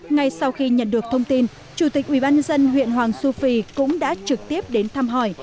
ngay sau khi nhận được thông tin chủ tịch ubnd huyện hoàng su phi cũng đã trực tiếp đến thăm hỏi